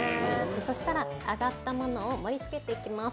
揚がったものを盛り付けていきます。